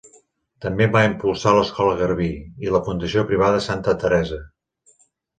També va impulsar l'Escola Garbí i la Fundació Privada Santa Teresa.